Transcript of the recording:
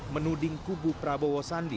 menuding kubu prabowo sandi